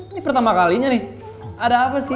ini pertama kalinya nih ada apa sih